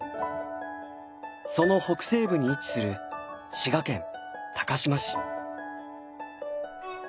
その北西部に位置する滋賀県高島市。